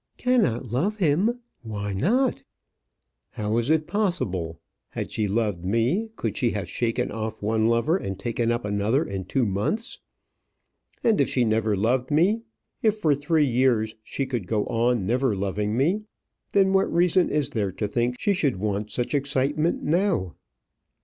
"Cannot love him! why not?" "How is it possible? Had she loved me, could she have shaken off one lover and taken up another in two months? And if she never loved me; if for three years she could go on, never loving me then what reason is there to think she should want such excitement now?"